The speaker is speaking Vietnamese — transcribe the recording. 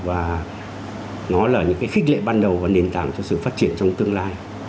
và nó là những cái khích lệ ban đầu và nền tảng cho sự phát triển trong tương lai